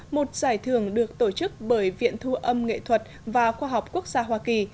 một giải thưởng được tổ chức bởi viện thu âm nghệ thuật và khoa học quốc gia hoa kỳ